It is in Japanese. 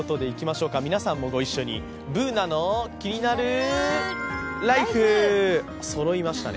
皆さんもご一緒に、「ＢｏｏｎａのキニナルＬＩＦＥ」そろいましたね。